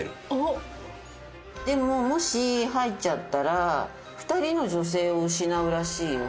でももし入っちゃったら２人の女性を失うらしいよ。